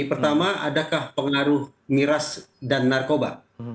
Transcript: pertama adakah pengaruh miras dan narkoba